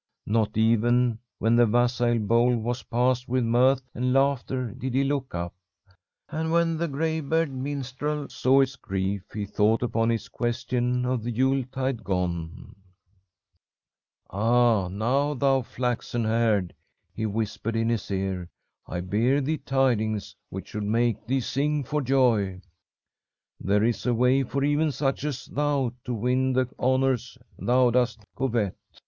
Not even when the wassail bowl was passed with mirth and laughter did he look up. And when the graybeard minstrel saw his grief, he thought upon his question of the Yule tide gone. "'Ah, now, thou flaxen haired,' he whispered in his ear. 'I bear thee tidings which should make thee sing for joy. There is a way for even such as thou to win the honours thou dost covet.